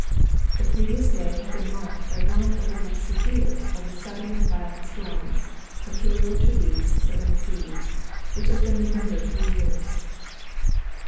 The previous day had been marked by one of the most severe of the sudden and violent storms, peculiar to these southern seas, which has been remembered for years.